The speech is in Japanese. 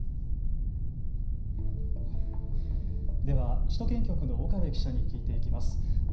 では首都圏局の岡部記者に聞いていきます。